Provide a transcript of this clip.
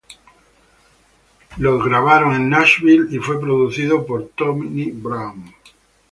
Fue grabado en Nashville y producido por Tony Brown.